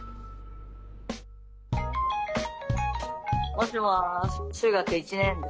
もしもし中学１年ですね。